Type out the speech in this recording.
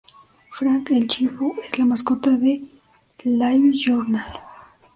Frank el Chivo es la mascota de LiveJournal.